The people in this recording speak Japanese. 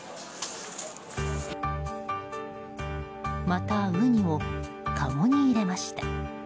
またウニをかごに入れました。